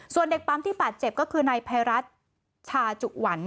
ส่วนเด็กปั๊มที่บาดเจ็บก็คือนายภัยรัฐชาจุหวัน